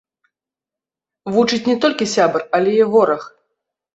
Вучыць не толькі сябар, але і вораг.